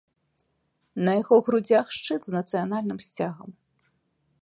На яго грудзях шчыт з нацыянальным сцягам.